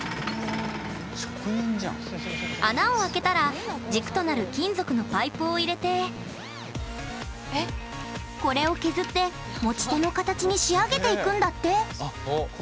穴を開けたら軸となる金属のパイプを入れてこれを削って持ち手の形に仕上げていくんだって。